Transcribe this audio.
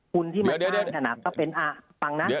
คุณที่มาท่านถนัดก็เป็นอ่าฟังนะ